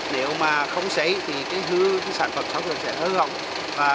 nếu mà không xấy thì cái hư cái sản phẩm không xấy